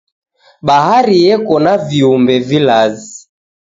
Bahari yeko na viumbe vilazi.